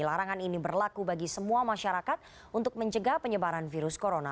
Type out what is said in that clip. larangan ini berlaku bagi semua masyarakat untuk mencegah penyebaran virus corona